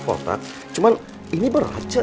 cilok cihoyama lima ratusan